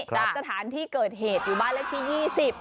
สถานที่เกิดเหตุอยู่บ้านเลขที่๒๐